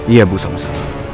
iya bu sama sama